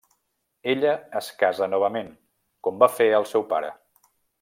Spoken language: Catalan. Ella es casa novament, com va fer el seu pare.